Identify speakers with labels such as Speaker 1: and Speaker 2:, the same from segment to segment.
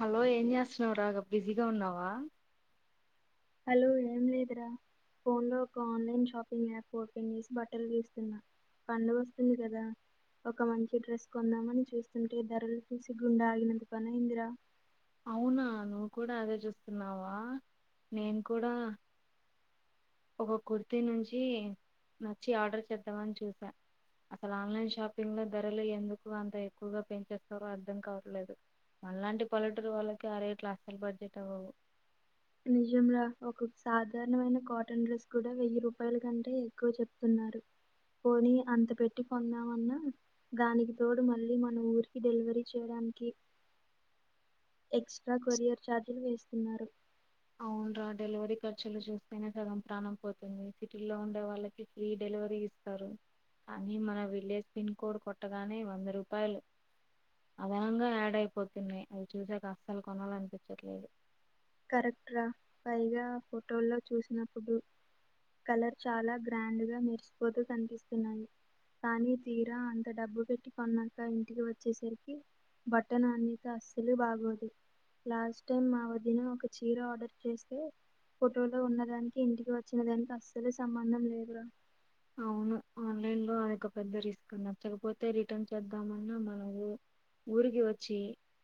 Speaker 1: hello ఏం చేస్తున్నావు రా గా బిజీగా ఉన్నావా
Speaker 2: హలో ఏం లేదురా ఫోన్లో ఒక ఆన్లైన్ షాపింగ్ యాప్ ఓపెన్ చేసి బట్టలు చూస్తున్నాను పండగ వస్తుంది కదా ఒక మంచి డ్రస్ కొందామని చూస్తుంటే ధరలు చూసి గుండె ఆగినంత పనైందిరా
Speaker 1: అవునా నువ్వు కూడా అదే చూస్తున్నావా నేను కూడా ఒక కుర్తి నుంచి నచ్చి ఆర్డర్ చేద్దామని చూసా అసలు ఆన్లైన్ షాపింగ్ లో ధరలు ఎందుకు అంత ఎక్కువగా పెంచేస్తారో అర్థం కావట్లేదు మనలాంటి పల్లెటూరు వాళ్ళకి అరేట్ లస్సలు బడ్జెట్ అవ్వవు
Speaker 2: నిజం రా ఒక సాధారణమైన కాటన్ డ్రెస్ కూడా వెయ్యి రూపాయల కంటే ఎక్కువ చెప్తున్నారు పోని అంత పెట్టి కొందామన్న దానికి తోడు మళ్ళీ మన ఊరికి డెలివరీ చేయడానికి ఎక్స్ట్రా కొరియర్ ఛార్జీలు వేస్తున్నారు
Speaker 1: అవున్రా డెలివరీ ఖర్చులు చూస్తేనే సగం ప్రాణం పోతుంది సిటీ లో ఉండే వాళ్ళకి ఫ్రీ డెలివరీ ఇ తారు మన విలేజ్ పిన్ కోడ్ కొట్టగానే వంద రూపాయలు అదనంగా యాడ్ అయిపోతున్నాయి అవి చూసాక అస్సలు కొనాలనిపించట్లేదు
Speaker 2: కరెక్ట్ రా పైగా ఫోటోల్లో చూసినప్పుడు కలర్ చాలా గ్రాండ్ గా మెరిసిపోతూ కనిపిస్తున్నాయి కానీ తీరా అంత డబ్బు పెట్టి కొన్నాక ఇంటికి వచ్చేసరికి బటన్ అనిత అస్సలు బాగోదు లాస్ట్ టైమ్ మా వదిన ఒక చీర ఆర్డర్ చేస్తే ఫోటోలో ఉన్న దానికి ఇంటికి వచ్చిన దానికి అస్సలే సంబంధం లేదు రా
Speaker 1: అవును ఆన్లైన్ లో అది ఒక పెద్ద రిస్క్ నచ్చకపోతే రిటర్న్ చేద్దామన్నా మన ఊ ఊరికి వచ్చి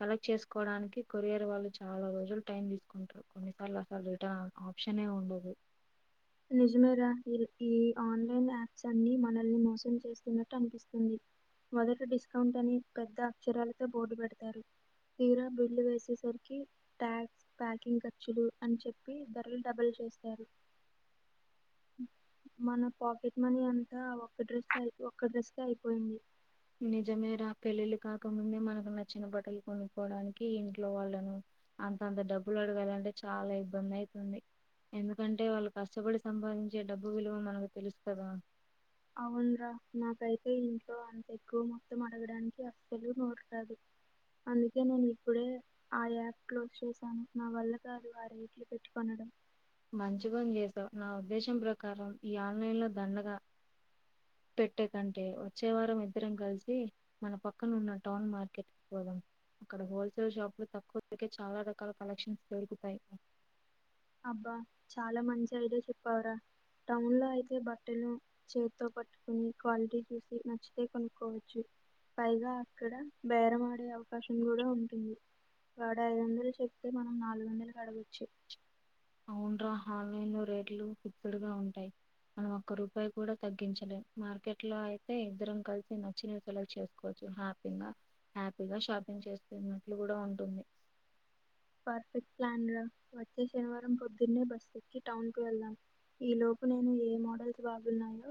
Speaker 1: కలెక్ట్ చేసుకోవడానికి కొరియర్ వాళ్ళు చాలా రోజులు టైం తీసుకుంటారు కొన్నిసార్లు అసల్ రిట ఆప్షనే ఉండదు
Speaker 2: నిజమే రా ఈ ఈ ఆన్లైన్ యాప్స్ అన్ని మనల్ని మోసం చేస్తున్నట్టు అనిపిస్తుంది మొదట డిస్కౌంట్ అని పెద్ద అక్షరాలతో బోర్డు పెడతారు తీరా బిల్లు వేసేసరికి ట్యాక్స్ ప్యాకింగ్ ఖర్చులు అని చెప్పి ధరలు డబలు చేస్తారు మన పాకెట్ మనీ అంతా ఒక డ్రెస్ కె ఒక్క డ్రెస్ కె అయిపోయింది
Speaker 1: నిజమే రా పెళ్ళిళ్ళ కాకముందే మనకు నచ్చిన బట్టలు కొనుకోవడానికి ఇంట్లో వాళ్ళను అంతంత డబ్బులు అడగాలంటే చాలా ఇబ్బంది అయితుంది ఎందుకంటే వాళ్ళు కష్టపడి సంపాదించే డబ్బు విలువ మనకు తెలుసు కదా
Speaker 2: అవున్రా నాకైతే ఇంట్లో అంత ఎక్కువ మొత్తం అడగడానికి అస్సలు నోరు రాదు అందుకే నేను ఇప్పుడే ఆ యాప్ క్లోజ్ చేశాను నా వల్ల కాదు ఆ రేట్లు పెట్టి కొనడం
Speaker 1: మంచి పని చేశావు నా ఉద్దేశం ప్రకారం ఈ ఆన్లైన్ లో దండగా పెట్టే కంటే వచ్చే వారం ఇద్దరం కలిసి మన పక్కన ఉన్న టౌన్ మార్కెట్కి పోదం అక్కడ హోల్సేల్ షాప్ లో తక్కువకే చాలా రకాల కలెక్షన్స్ దొరుకుతాయి
Speaker 2: అబ్బా చాలా మంచి ఐడియా చెప్పావురా టౌన్ లో అయితే బట్టలు చేతితో పట్టుకుని క్వాలిటీ చూసి నచ్చితే కొనుక్కోవచ్చు పైగా అక్కడ బేరం ఆడే అవకాశం కూడా ఉంటుంది వాడు ఐదు వందలు చెప్తే మనం నాలుగు వందలకి అడగచ్చు
Speaker 1: అవునరా ఆన్లైన్లో రేట్లు ఫిక్స్డ్ గా ఉంటాయి మనం ఒక్క రూపాయి కూడా తగ్గించలేము మార్కెట్ లో అయితే ఇద్దరం కలిసి నచ్చిన సెలెక్ట్ చేస్ కోవచ్చు హ్యాపీగా హ్యాపీగా షాపింగ్ చేస్తున్నట్లు కూడా ఉంటుంది
Speaker 2: పర్ఫెక్ట్ ప్లాన్ రా వచ్చే శనివారం పొద్దున్నే బస్ ఎక్కి టౌన్ కి వెళ్దాం ఈ లోపు నేను ఏ మోడల్స్ బాగున్నాయో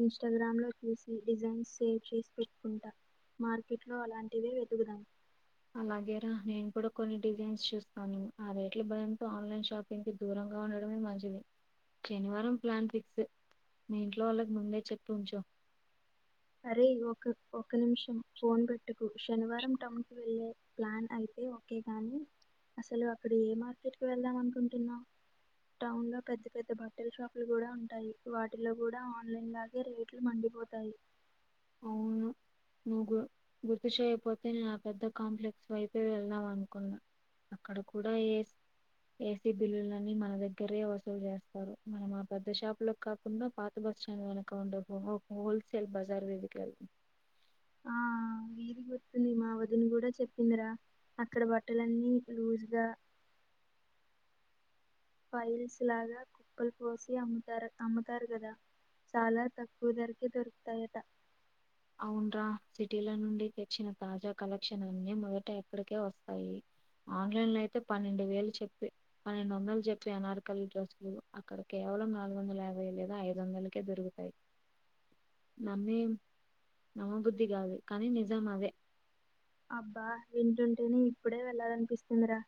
Speaker 2: ఇన్స్టాగ్రామ్లో చూసి డిజైన్స్ షేర్ చేసి పెట్టుకుంటాను మార్కెట్ లో అలాంటివే వెతుకుదాం
Speaker 1: అలాగే రా నేను కూడా కొన్ని డిజైన్స్ చూస్తాను ఆ రేట్ల భయంతో ఆన్లైన్ షాప్ పింగ్ దూరంగా ఉండడంమే మంచిది శనివారం ప్లాన్ ఫిక్స్ మీ ఇంట్లో వాళ్ళకి ముందే చెప్పి ఉంచు
Speaker 2: అరే ఒక ఒక నిమిషం ఫోన్ పెట్టకు శనివారం టౌన్కి వెళ్ళే ప్లాన్ అయితే ఓకే కాగాని అసలు అక్కడ ఏ మార్కెట్కి వెళ్దాం అనుకుంటున్నావు టౌన్ లో పెద్ద పెద్ద బట్టల షాపులు కూడా ఉంటాయి వాటిలో కూడా ఆన్లైన్ ల ఇ రేట్లు మండిపోతాయి
Speaker 1: అవును నువ్వు గు గుర్తు చేయకపోతే నే పెద్ద కాంప్లెక్స్ వైపే వెళ్దాం అనుకున్నా అక్కడ కూడా ఏస్ ఏసీ బిల్లులని మన దగ్గరే వసూలు చేస్తారు మనం ఆ పెద్ద షాపు లోకి కా ఉన్నా పాత బస్టాండ్ వెనుక ఉండే హోల్సేల్ బజార్ వీధికి వెళ్దాం
Speaker 2: ఆ వీధీ గుర్తుంది మా వదిన కూడా చెప్పిందిరా అక్కడ బట్టలన్నీ లూజ్గా ఫైల్స్ లాగా కుప్పలు పోసి అమ్ముతారు అమ్ముతారు కదా చాలా తక్కువ ధరకే దొరుకుతాయట
Speaker 1: అవున్రా సిటీల నుండి తెచ్చిన తాజా కలెక్షన్ అన్నీ మొదట ఇక్కడికే వస్తాయి ఆన్లైన్ లో అయితే పన్నెండు వేలు చెప్పి పన్నెండు వందలు చెప్పే అనార్కలీ డ్రెస్సులు అక్కడ కేవలం నాలుగు వందల యాభై లేదా ఐదు వందలకే దొరుకుతాయి నమ్మి నమ్మబుద్ధి కాదు కానీ నిజం అదే
Speaker 2: అబ్బా వింటుంటేనే ఇప్పుడే వెళ్ళాలనిపిస్తుందిరా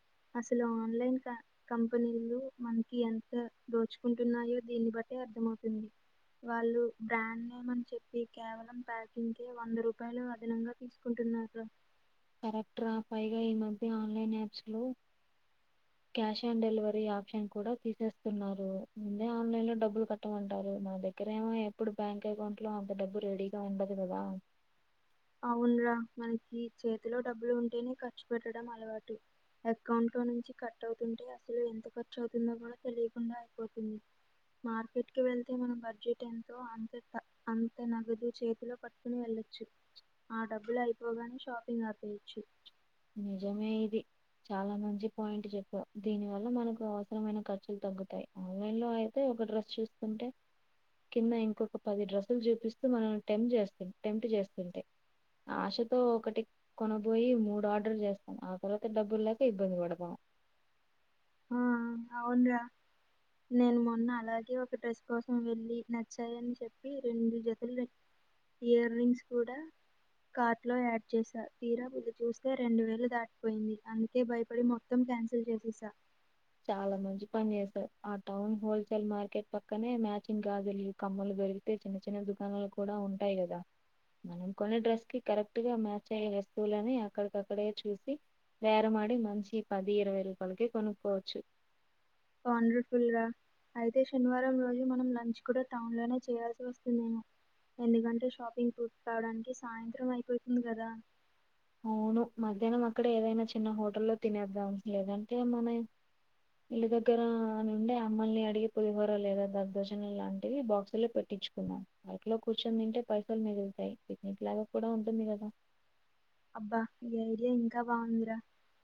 Speaker 2: అసలు ఆన్లైన్ కా కంపెనీలు మనకి ఎంత దోచుకుంటున్నాయో దీన్ని బట్టే అర్థమవుతుంది వాళ్ళు బ్రాండ్ నేమ్ అని చెప్పి కేవలం ప్యాకింగ్ కే వంద రూపాయలు అదనంగా తీసు కుంటున్నారా
Speaker 1: కరెక్ట్ రా పైగా ఈ మధ్య ఆన్లైన్ యాప్స్ లో క్యాష్ ఆన్ డెలివరీ ఆప్షన్ కూడా తీసేస్తున్నారు ముందే ఆన్లైన్ లో డబ్బులు కట్టమంటారు మా దగ్గర ఇక్కడేమో ఎప్పుడు బ్యాంక్ అకౌంట్ లో అంత డబ్బు రెడీగా ఉండదు కదా
Speaker 2: అవున్రా మనకి చేతిలో డబ్బులు ఉంటేనే ఖర్చు పెట్టడం అలవాటు అకౌంట్లో నుంచి కట్ అవుతుంటే అసలు ఎంత ఖర్చు అవుతుందో కూడా తెలియకుండా అయిపోతుంది మార్కెట్ కి వెళ్తే మన బడ్జెట్ ఎంతో అంతే ఇకా అంత నగదు చేతిలో పట్టుకుని వెళ్ళొచ్చు ఆ డబ్బులు అయిపోగానే షాపింగ్ ఆపయచ్చు
Speaker 1: నిజమే ఇది చాలా మంచి పాయింట్ చెప్పావ్ దీనివల్ల మనకు అవసరమైన ఖర్చులు తగ్గుతాయి ఆన్లైన్ లో అయితే ఒక డ్రస్ చూస్తుంటే కింద ఇంకొక పది డ్రస్సులు చూపిస్తూ మనం టెంప్ట్ చేస్త టెంప్ట్ చేస్తుంటాయి ఆశతో ఒకటి కొనబోయి మూడు ఆడ్ ఆర్డర్ చేస్తాం ఆ తర్వాత డబ్బులు లేక ఇబ్బంది పడతాం
Speaker 2: ఆ అవున్ రా నేను మొన్న అలాగే ఒక డ్రెస్ కోసం వెళ్ళి నచ్చాయని చెప్పి రెండు జతులు ఇయర్ రింగ్స్ కూడా కార్ట్ లో యాడ్ చేసా తీరా వెళ్ళి చూస్తే రెండు వేలు దాటిపోయింది అందుకే భయపడి మొ మొత్తం క్యాన్సల్ చేసేసా
Speaker 1: చాలా మంచి పని చేసావు ఆ టౌన్ హోల్సేల్ మార్కెట్ పక్కనే మ్యాచింగ్ గాజులు కమ్మలు దొరికితే చిన్న చిన్న దుకాణాలు కూడా ఉంటాయి కదా మనం కొనె డ్రెస్ కి కరెక్ట్ గా మ్యాచ్ అయ్యే వస్తువులని అక్కడికక్కడే చూసి బ్యారం ఆడి మంచి పది ఇరవై రూపాయలకే కొనుక్కోవచ్చు
Speaker 2: వాండ్లు తీరా అయితే శనివారం రోజు మనం లంచ్ కూడా టౌన్ లోనే చేయాల్సి వస్తుందేమో ఎందుకంటే షాపింగ్ పూర్తి కావడానికి సాయంత్రం అయిపోతుంది కదా
Speaker 1: అవును మధ్యానం అక్కడ ఏదైనా చిన్న హోటల్లో తినేద్దాం లేదంటే మనం ఇల్లు దగ్గర నుండి అమ్మల్ని అడిగి పులిహోర లేదా దద్దోజనం లాంటివి బాక్సు లో పెట్ తెచ్చుకున్నాం పార్కులో కూర్చొని తింటే పైసలు మిగులుతాయి పిక్నిక్ లాగా కూడా ఉంటుంది గదా
Speaker 2: అబ్బా ఈ ఐడియా ఇంకా బాగుందిరా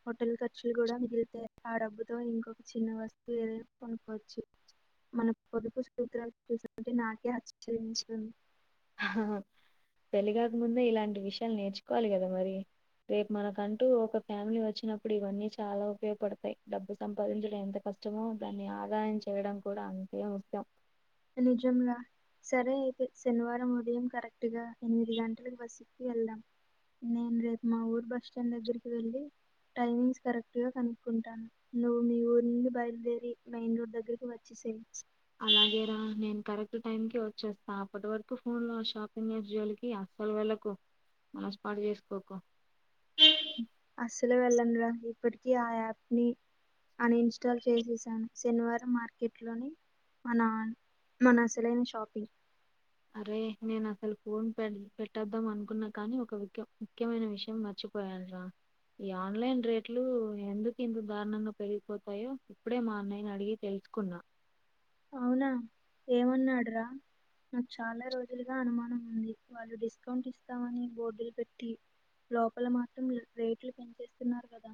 Speaker 2: హోటల్ ఖర్చులు కూడా మిగిలితే ఆ డబ్బుతో ఇంకొక చిన్న వస్తువు ఏదైనా కొనుక్కోవచ్చు మన పొదుపు సూత్రాల చూస్తాంటే నాకే ఆశ్చర్యమేస్తుంది
Speaker 1: పెళ్లిగాక ముందే ఇలాంటి విషయాలు నేర్చుకోవాలి గదా మరి రేపు మనకంటూ ఒక ఫ్యామిలీ వచ్చినప్పుడు ఇవన్నీ చాలా ఉపయోగపడతాయి డబ్బు సంపాదించడం ఎంత కష్టమో కొంచెము దాన్ని ఆదాయం చేయడం కూడా అంతే ముఖ్యం
Speaker 2: నేను జుమ్మా సరే అయితే శనివారం ఉదయం కరెక్ట్గా ఎనిమిది గంటలకు బస్సెక్కి వెళ్దాం నేను రేపు మా ఊరు బస్టాండ్ దగ్గరికి వెళ్ళి టైమింగ్స్ కరెక్ట్ గా కనుక్కుంటాను నువ్వు మీ ఊరు నుండి బయలుదేరి మెయిన రూటు దగ్గరకి వచ్చేసేయి
Speaker 1: అలాగేరా నేను కరెక్ట్ టైం కి వచ్చేస్తా అప్పటి వరకు ఫోన్ లో షాపింగ్ జోల్కి అసలు అసలు వెళ్లకు మనసు పాడు చేసుకోకు
Speaker 2: అసలే వెళ్ళను రా ఇప్పటికి ఆ యాప్ ని అనిస్టాల్ చేసేసాను శనివారం మార్కెట్ లోని అవునా మన సెలైన్ షాపింగ్
Speaker 1: అరే నేను అసలు ఫోన్ పె పెట్టేద్దాం అనుకున్నా కానీ ఒక ముఖ్యం ముఖ్యమైన విషయం మర్చిపో పోయానురా ఈ ఆన్లైన్ రేట్లు ఎందుకింత దారుణంగా పెరిగిపోతాయో ఇప్పుడే మా అన్నయ్యని అడిగి తెలుసుకున్నా
Speaker 2: అవునా ఏమన్నాడు రా నాకు చాలా రోజులుగా అనుమానం ఉంది వాళ్ళు డిస్కౌంట్ ఇస్తామని బోర్డులు పెట్టి లోపల మాత్రం రేట్లు పెంచేస్తున్నారు గదా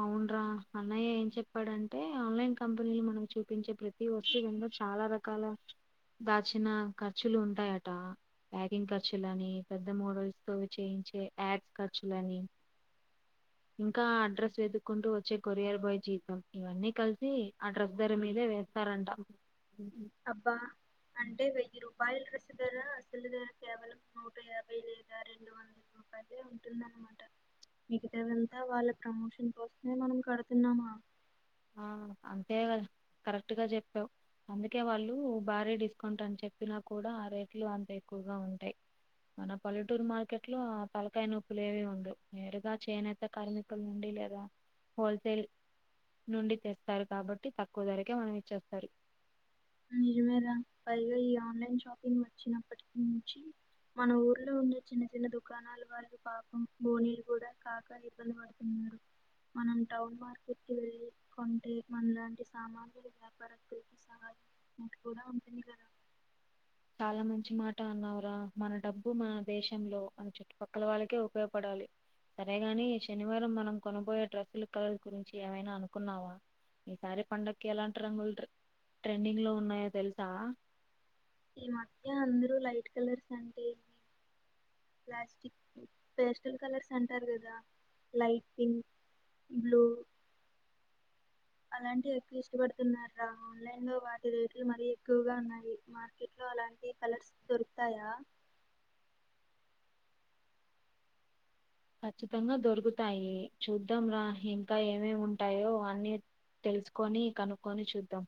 Speaker 1: అవున్రా అన్నయ్య ఏం చెప్పాడంటే ఆన్లైన్ కంపెనీలు మనం చూపించే ప్రతి ప్రతి వస్తువు మింద చాలా రకాల దాచిన ఖర్చులు ఉంటాయట ప్యాకింగ్ ఖర్చులని పెద్ద మోడల్స్ తో చేయించే యాడ్స్ ఖర్చులని ఇంకా అడ్రస్ వెతుక్కుంటూ వచ్చే కొరియర్ బాయ్ జీతం ఇవన్నీ కలిసి అడ్రస్ ధర మీదే వేస్త స్తారంట
Speaker 2: అబ్బా అంటే వెయ్యి రూపాయల డ్రస్సు ధర అసలు ధర కేవలం నూట యాభై లేదా రెండు వంద పదే ఉంటుంది అన్నమాట మిగతా అంతా వాళ్ళ ప్రమోషన్ కోసమే మనం కడుతున్నామా
Speaker 1: ఆ అంతే కదా కరెక్ట్ గా చెప్పావు అందుకే వాళ్ళు భారీ డిస్కౌంట్ అని చెప్పినా కూడా ఆ రేట్లు అంత ఎక్కువగా ఉంటాయి మన పల్లెటూరు మార్కెట్ లో ఆ తలకాయ నొప్పులు ఏవి ఉండవు నేరుగా చే నేత కార్మికుల నుండి లేదా హోల్సేల్ నుండి తెస్తారు కాబట్టి తక్కువ ధరకే మనం ఇచ్చేస్తారు
Speaker 2: నిజమే రా పైగా ఈ ఆన్లైన్ షాపింగ్ వచ్చినప్పటి నుంచి మన ఊర్లో ఉండే చిన్న చిన్న దుకాణాలు వాళ్ళు పాపం బోనీలు కూడా కాక ఇబ్బంది పడుతు ఉ మనం టౌన్ మార్కెట్ కి వెళ్ళి కొంటే మన లాంటి సామాన్యులు [inaudible] కూడా ఉంటుంది కదా
Speaker 1: చాలా మంచి మాట అన్నావురా మన డబ్బు మన దేశంలో అని చుట్టుపక్కల వాళ్ళకే ఉపయోగపడాలి సరే గాని శనివారం మనం కొనబోయే డ్రస్సుల కలర్స్ గురించి ఏమైనా అనుకున్నావా ఈసారి పండగకి ఎలాంటి రంగులు ట్రే ట్రెండింగ్ లో ఉన్నాయో తెలుసా
Speaker 2: ఈ మధ్య అందరూ లైట్ కలర్స్ అంటే ప్లాస్టిక్ పేస్టల్ కలర్స్ అంటారు కదా లైట్ పింక్ బ్లూ అలాంటివి ఎక్కువ ఇష్టపడుతున్నరు రా ఆన్లైన్ లో వాటి రేట్లు మరీ ఎక్కువగా ఉన్నాయి మార్కెట్ లో అలాంటి కలర్స్ దొరుకుతాయా
Speaker 1: ఖచ్చితంగా దొరుకుతాయి చూద్దాం రా ఇంకా ఏమేమి ఉంటాయో అన్ని తెలుసుకొని కనుక్కొని చూద్దాం